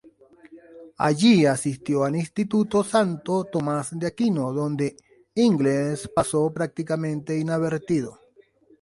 Allí asistió al Instituto Santo Tomás de Aquino, donde English pasó prácticamente inadvertido.